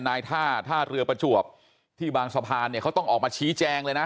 นายท่าท่าเรือประจวบที่บางสะพานเนี่ยเขาต้องออกมาชี้แจงเลยนะ